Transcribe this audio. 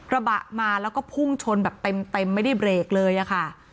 ระบะมาแล้วก็พุ่งชนแบบเต็มไม่ได้เบรกเลยอะค่ะ